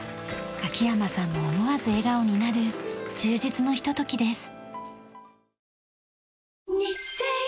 秋山さんも思わず笑顔になる充実のひとときです。